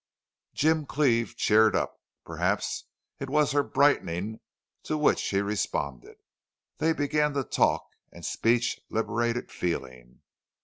Jim Cleve cheered up. Perhaps it was her brightening to which he responded. They began to talk and speech liberated feeling.